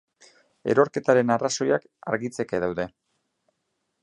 Erorketaren arrazoiak argitzeke daude.